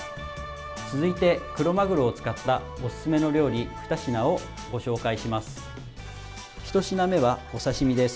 続いて、クロマグロを使ったおすすめの料理２品をご紹介します。